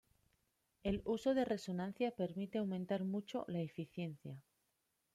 El uso de resonancia permite aumentar mucho la eficiencia.